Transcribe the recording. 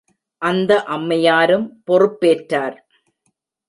அந்த அம்மையாரும், பொறுப்பேற்றார்.